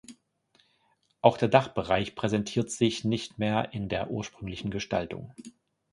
Auch der Dachbereich präsentiert sich nicht mehr in der ursprünglichen Gestaltung.